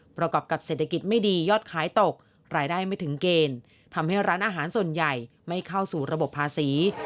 ประกอบกับเศรษฐกิจไม่ดียอดขายตกรายได้ไม่ถึงเกณฑ์ทำให้ร้านอาหารส่วนใหญ่ไม่เข้าสู่ระบบภาษี